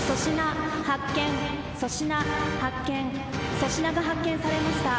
粗品が発見されました。